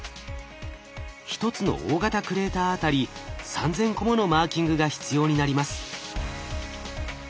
一つの大型クレーターあたり３，０００個ものマーキングが必要になります。